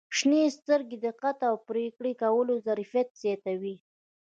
• شنې سترګې د دقت او پرېکړې کولو ظرفیت زیاتوي.